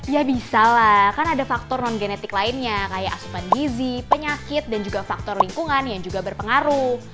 ya bisa lah kan ada faktor non genetik lainnya kayak asupan gizi penyakit dan juga faktor lingkungan yang juga berpengaruh